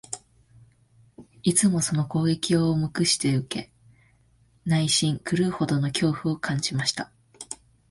いつもその攻撃を黙して受け、内心、狂うほどの恐怖を感じました